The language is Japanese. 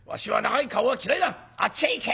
あっちへ行け！」